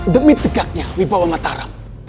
demi tegaknya wibawa mataram